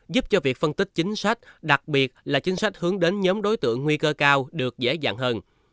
giúp cho việc phân tích chính sách đặc biệt là chính sách hướng đến nhóm đối tượng nguy cơ cao được dễ dàng hơn